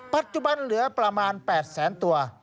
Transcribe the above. ปัจจุบันเหลือประมาณ๘แสนตัว